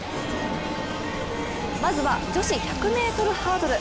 まずは女子１００ｍハードル。